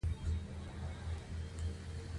ایا ستاسو شهرت ښه نه دی؟